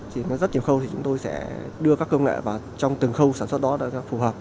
thì nó rất nhiều khâu thì chúng tôi sẽ đưa các công nghệ vào trong từng khâu sản xuất đó đã cho phù hợp